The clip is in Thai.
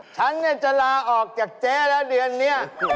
ฉันจะลาออกจากเจ๊ละเดือนนี้